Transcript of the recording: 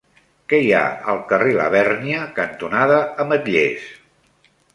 Què hi ha al carrer Labèrnia cantonada Ametllers?